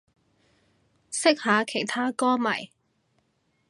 識下其他歌迷